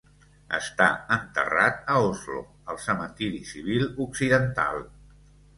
Està enterrat a Oslo, al Cementiri Civil Occidental.